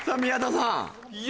宮田さん